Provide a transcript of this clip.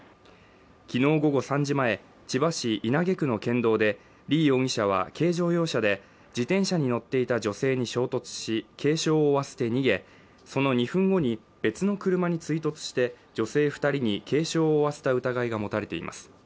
昨日午後３時前千葉市稲毛区の県道でリ容疑者は軽乗用車で自転車に乗っていた女性に衝突し軽傷を負わせて逃げその２分後に別の車に追突して女性二人に軽傷を負わせた疑いが持たれています